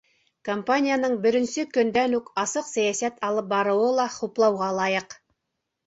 Компанияның беренсе көндән үк асыҡ сәйәсәт алып барыуы ла хуплауға лайыҡ.